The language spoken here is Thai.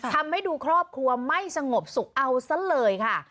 ทำให้ดูครอบครัวไม่สงบสุขเอาซะเลยค่ะ